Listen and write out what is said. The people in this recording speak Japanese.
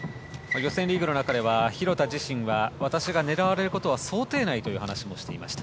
予選リーグの中では廣田自身は私が狙われることは想定内という話もしていました。